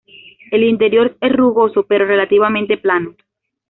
El interior es rugoso pero relativamente plano.